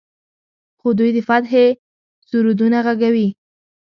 خو دوی د فتحې سرودونه غږوي.